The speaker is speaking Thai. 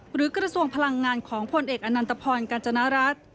กระทรวงพลังงานของพลเอกอนันตพรกัญจนรัฐ